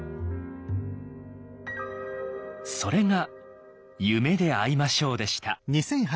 それが「夢であいましょう」でした。